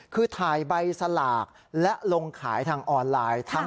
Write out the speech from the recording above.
คือถ่ายใบสลากและลงขายทางออนไลน์